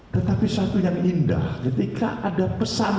tetapi satu yang indah ketika ada pesan